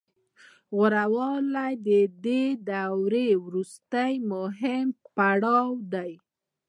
غوره والی د دورې وروستی مهم پړاو دی